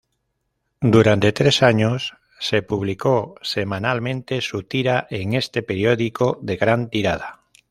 Durante tres años se publicó semanalmente su tira en este periódico de gran tirada.